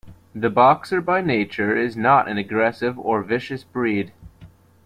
The Boxer by nature is not an aggressive or vicious breed.